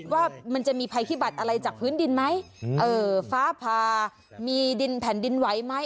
ว่ามันจะมีภัยพิบัติอะไรจากพื้นดินไหมฟ้าผ่ามีดินแผ่นดินไหวไหม